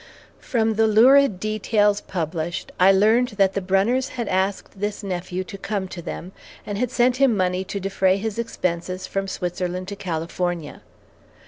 From the lurid details published, I learned that the Brunners had asked this nephew to come to them, and had sent him money to defray his expenses from Switzerland to California.